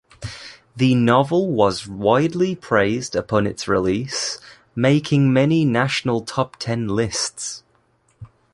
The novel was widely praised upon its release, making many national top ten lists.